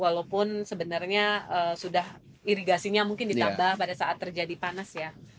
walaupun sebenarnya sudah irigasinya mungkin ditambah pada saat terjadi panas ya